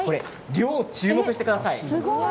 量に注目してください。